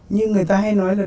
như người ta hay nói là